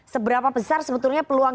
seberapa besar sebetulnya peluang